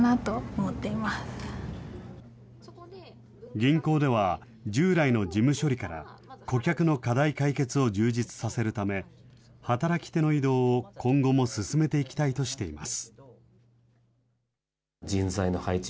銀行では、従来の事務処理から、顧客の課題解決を充実させるため、働き手の移動を今後も進めていきたいとしています。